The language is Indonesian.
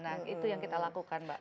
nah itu yang kita lakukan mbak